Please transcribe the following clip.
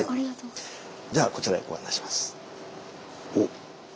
じゃあこちらへご案内します。